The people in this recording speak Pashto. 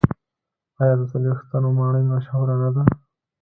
آیا د څلوېښت ستنو ماڼۍ مشهوره نه ده؟